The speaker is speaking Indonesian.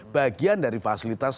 bagian dari fasilitas